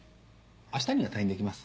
明日には退院できます